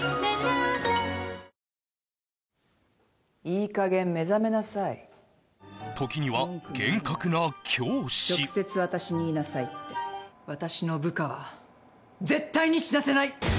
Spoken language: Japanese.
いい加減目覚めなさい時には厳格な教師直接私に言いなさいって私の部下は絶対に死なせない！